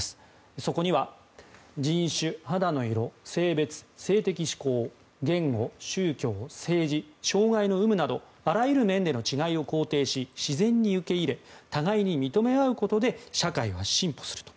そこには人種、肌の色、性別性的指向、言語、宗教政治、障害の有無などあらゆる面での違いを肯定し自然に受け入れ互いに認め合うことで社会は進歩すると。